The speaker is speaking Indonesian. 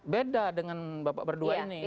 beda dengan bapak berdua ini